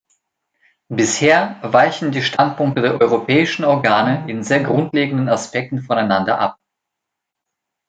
Bisher weichen die Standpunkte der europäischen Organe in sehr grundlegenden Aspekten voneinander ab.